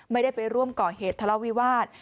ไม่ได้ไปร่วมก่อเหตุทะเลาวิวาส